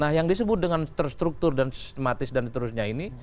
nah yang disebut dengan terstruktur dan sistematis dan seterusnya ini